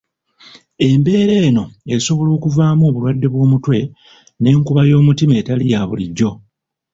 Embeera eno esobola okuvaamu obulwadde bw'omutwe n' enkuba y'omutima etali yabulijjo.